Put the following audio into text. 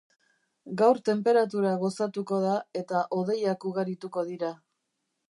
Gaur tenperatura gozatuko da eta hodeiak ugarituko dira.